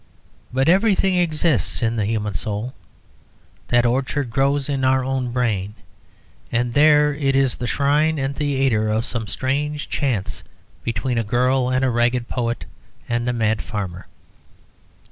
But everything exists in the human soul: that orchard grows in our own brain, and there it is the shrine and theatre of some strange chance between a girl and a ragged poet and a mad farmer.